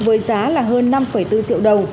với giá là hơn năm bốn triệu đồng